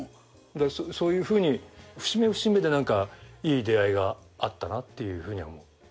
そういうふうに節目節目でいい出会いがあったなっていうふうには思う。